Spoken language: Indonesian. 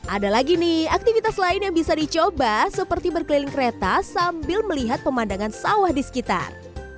ada lagi nih aktivitas lain yang bisa dicoba seperti berkeliling kereta sambil melihat pemandangan sawah di sekitar